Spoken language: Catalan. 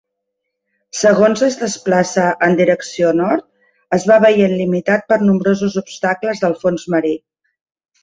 Segons es desplaça en direcció nord, es va veient limitat per nombrosos obstacles del fons marí.